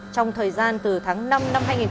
trong thời gian từ tháng năm năm hai nghìn một mươi bảy